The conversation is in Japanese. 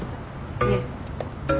いえ。